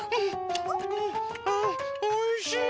おいしい！